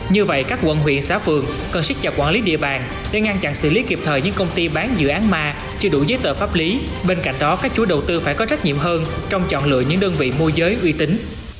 như vậy các quận huyện xã phường cần siết chặt quản lý địa bàn để ngăn chặn xử lý kịp thời những công ty bán dự án ma chưa đủ giấy tờ pháp lý bên cạnh đó các chú đầu tư phải có trách nhiệm hơn trong chọn lựa những đơn vị môi giới uy tín